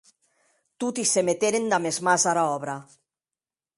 Toti se meteren damb es mans ara òbra.